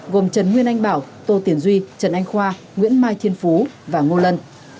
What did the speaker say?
gồm trần nguyên anh bảo tô tiền duy trần anh khoa nguyễn mai thiên phú và ngô lân